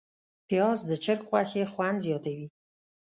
پیاز د چرګ غوښې خوند زیاتوي